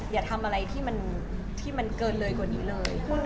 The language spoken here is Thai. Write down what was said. อย่าทำอะไรที่มันเกินเลยกว่านี้เลย